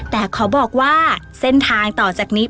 แต่ขอบอกว่าเส้นทางต่อจากนี้